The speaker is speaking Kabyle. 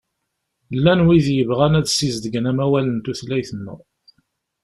Llan wid yebɣan ad sizedgen amawal n tutlayt-nneɣ.